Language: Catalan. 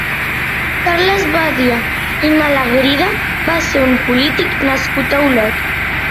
Carles Badia i Malagrida va ser un polític nascut a Olot.